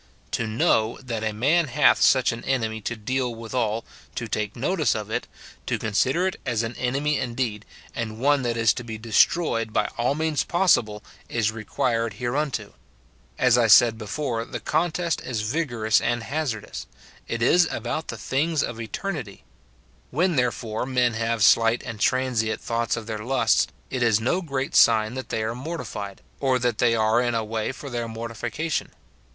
] To know that a man hath such an enemy to deal withal, to take notice of it, to consider it as an enemy indeed, and one that is to be destroyed by all means possible, is required hereunto. As I said before, the contest is vigorous and hazardous, — it is about the things 196 MORTIFICATION OP of eternity. When, therefore, men have slight and transient thoughts of their lusts, it is no great sign that they are mortified, or that they are in a way for their mortification.